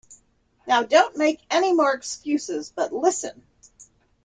Now don’t make any more excuses, but listen!